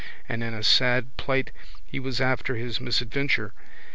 And in a sad plight he was too after his misadventure.